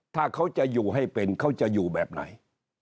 ถ้าเขาจะอยู่ให้เป็นเขาจะอยู่แบบไหน